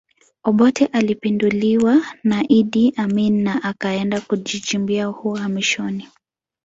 Obote alipinduliwa na Idi Amin na akaenda kujichimbia uhamishoni